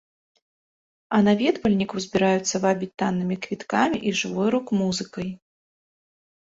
А наведвальнікаў збіраюцца вабіць таннымі квіткамі і жывой рок-музыкай.